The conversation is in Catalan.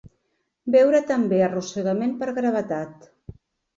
Veure també arrossegament per gravetat.